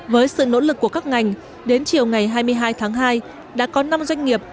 với sự nỗ lực của các ngành đến chiều ngày hai mươi hai tháng hai đã có năm doanh nghiệp